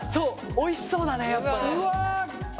おいしそうだねやっぱね。